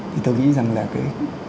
thì tôi nghĩ rằng là cái